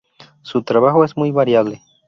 Su trabajo es muy variable.